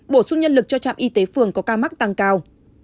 bổ sung nhân lực cho trạm y tế phường có ca mắc tăng cao